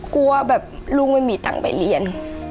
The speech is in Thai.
กลัวแบบลูกไม่มีตังค์ไปเรียน